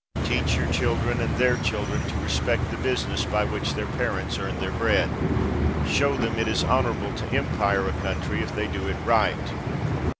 Teach your children and their children to respect the business by which their parents earned their bread. Show them it is honorable to empire a country if they do it right.